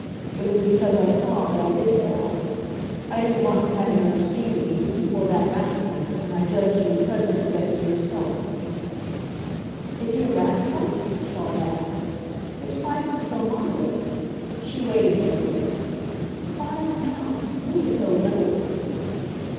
It was because I saw that I did go out. I didn't want to have another scene with you, before that rascal, and I judged you would presently guess for yourself." "Is he a rascal?" Charlotte asked. "His price is so moderate." She waited but a moment. "Five pounds. Really so little."